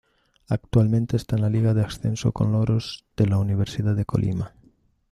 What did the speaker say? Actualmente esta en Liga de Ascenso con Loros de la Universidad de Colima.